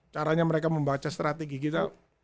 caranya mereka membaca strategi kita